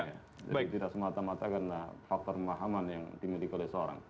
ya baik tidak semata mata karena faktor pemahaman yang dimiliki oleh seorang